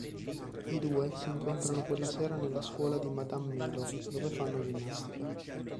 I due si incontrano quella sera nella scuola di Madame Milo, dove fanno ginnastica.